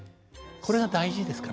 これが大事ですかね